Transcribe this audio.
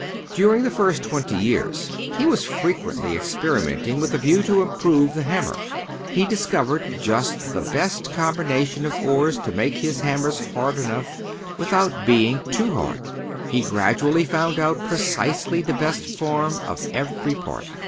During the first twenty years, he was frequently experimenting with a view to improve the hammer. He discovered just the best combination of ores to make his hammers hard enough, without being too hard. He gradually found out precisely the best form of every part.